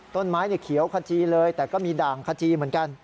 ต้นไม้เขียวขจีเลยแต่ก็มีด่างขจีเหมือนกัน